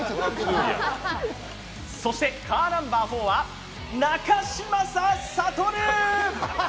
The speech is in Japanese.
そしてカーナンバー４は中嶋佐悟！